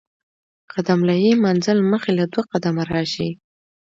قدم له ئې منزل مخي له دوه قدمه راشي